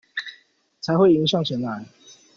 才會迎向前來